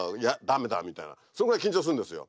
そのぐらい緊張するんですよ。